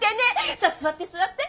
さあ座って座って！